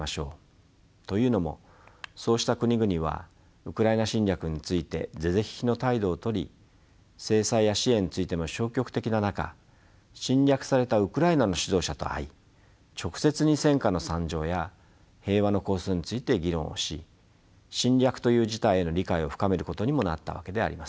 というのもそうした国々はウクライナ侵略について是々非々の態度をとり制裁や支援についても消極的な中侵略されたウクライナの指導者と会い直接に戦禍の惨状や平和の構想について議論をし侵略という事態への理解を深めることにもなったわけであります。